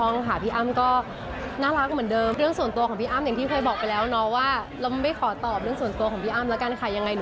จริงต้องบอกว่าในชีวิตุคนมันก็มีหลายรสชาติ